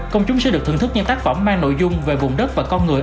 công chúng sẽ được thưởng thức những tác phẩm mang nội dung về vùng đất và con người